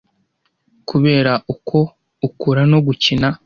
kureba uko ukura no gukina.